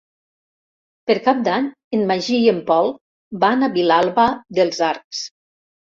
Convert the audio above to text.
Per Cap d'Any en Magí i en Pol van a Vilalba dels Arcs.